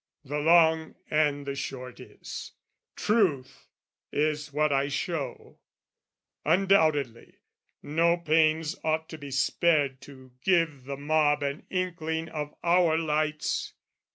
The long and the short is, truth is what I show: Undoubtedly no pains ought to be spared To give the mob an inkling of our lights.